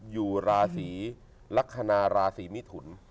อยู่ละศีละคณาศีมิถุร